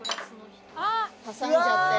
挟んじゃってる。